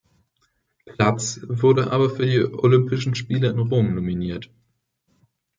Platz, wurde aber für die Olympischen Spiele in Rom nominiert.